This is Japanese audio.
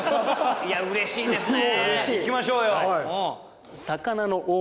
いやうれしいですね。